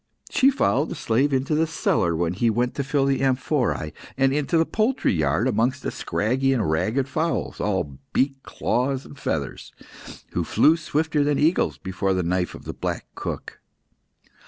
She followed the slave into the cellar when he went to fill the amphorae, and into the poultry yard amongst the scraggy and ragged fowls, all beak, claws, and feathers, who flew swifter than eagles before the knife of the black cook.